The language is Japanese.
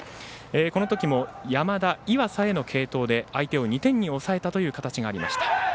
このときも山田、岩佐への継投で相手を２点に抑えたという形がありました。